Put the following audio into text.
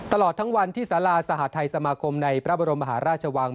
ตลอดทั้งวันที่สาราสหทัยสมาคมในพระบรมมหาราชวัง